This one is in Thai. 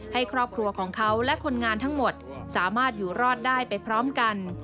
ให้ครอบครัวของเขาและคนงานทั้งหมดสามารถอยู่รอดได้ไปพร้อมกัน